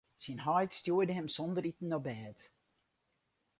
Syn heit stjoerde him sonder iten op bêd.